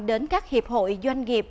đến các hiệp hội doanh nghiệp